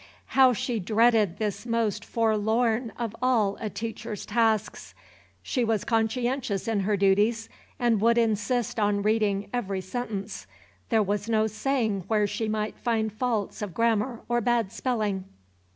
How she dreaded this most forlorn of all a teacher's tasks! She was conscientious in her duties, and would insist on reading every sentence, there was no saying where she might find faults of grammar or bad spelling.